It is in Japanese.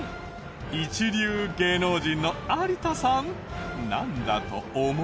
一流芸能人の有田さんなんだと思う？